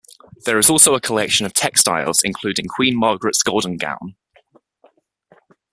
There is also a collection of textiles including Queen Margaret's golden gown.